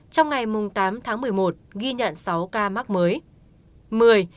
trong ngày tám tháng một mươi một ghi nhận sáu ca mắc mới